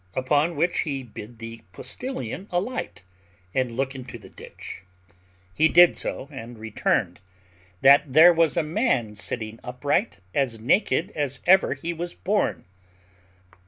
Upon which he bid the postillion alight, and look into the ditch. He did so, and returned, "that there was a man sitting upright, as naked as ever he was born."